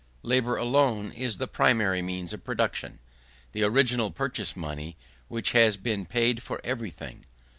Labour alone is the primary means of production; "the original purchase money which has been paid for everything."